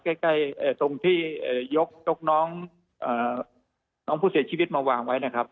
ใกล้ตรงที่ยกน้องผู้เสียชีวิตมาวางไว้นะครับ